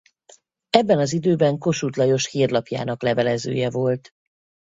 Ebben az időben Kossuth Lajos Hírlapjának levelezője volt.